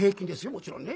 もちろんね。